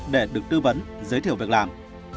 để được tư vấn giới thiệu việc làm